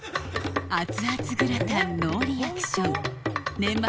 熱々グラタンノーリアクション年末